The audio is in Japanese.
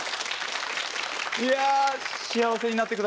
いや幸せになってくださいねえ。